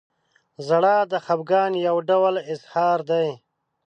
• ژړا د خفګان یو ډول اظهار دی.